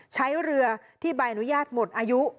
ใช้เรือที่ใบอนุญาตหมดอายุ